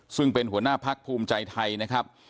ซึ่งเป็นหัวหน้าพักภูมิใจไทยนะครับ